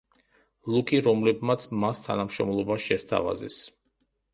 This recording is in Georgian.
ლუკი, რომლებმაც მას თანამშრომლობა შესთავაზეს.